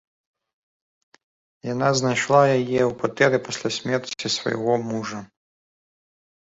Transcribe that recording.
Яна знайшла яе ў кватэры пасля смерці свайго мужа.